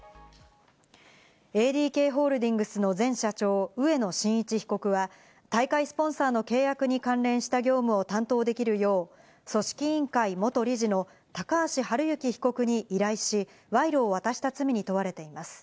ＡＤＫホールディングスの前社長・植野伸一被告は大会スポンサーの契約に関連した業務を担当できるよう、組織委員会元理事の高橋治之被告に依頼し、賄賂を渡した罪に問われています。